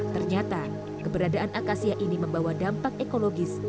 ternyata keberadaan akasia ini membawa dampak ekologis yang mengancam